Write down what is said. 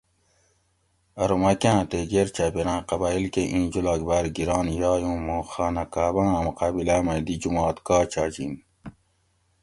ارو مکّاں تے گیر چاپیراۤں قبائیل کہ اِیں جولاگ باۤر گِران یائے اُوں مُو خانہ کعبہ آں مقابلاۤ مئی دی جُمات کا چاجین